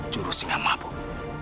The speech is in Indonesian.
jurus singa mabung